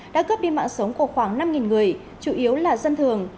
đã cướp đi mạng sống của khoảng năm người chủ yếu là dân thường